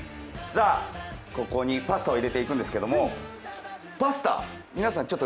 さあ、ここにパスタを入れていくんですけれども、パスタ、皆さん